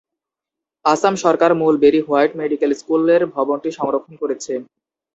আসাম সরকার মূল Berry White medical স্কুলের ভবনটি সংরক্ষণ করেছে।